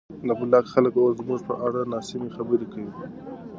د بلاک خلک اوس زموږ په اړه ناسمې خبرې کوي.